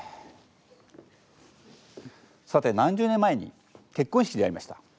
さて何十年前に結婚式でやりました。